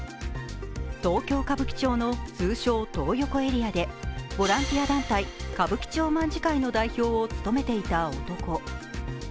東京・歌舞伎町の通称トー横エリアでボランティア団体、歌舞伎町卍会の代表を務めていた男。